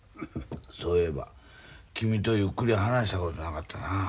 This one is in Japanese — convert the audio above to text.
そういえば君とゆっくり話したことなかったな。